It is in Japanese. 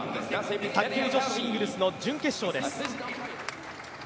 卓球女子シングルスの準決勝です。